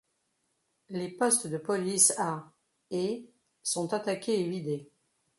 Les postes de police à et sont attaqués et vidés.